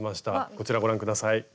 こちらをご覧下さい。